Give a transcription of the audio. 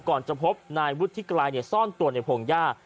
ก่อนจะพบนายวุฒิกรายซ่อนตัวในโผงย่า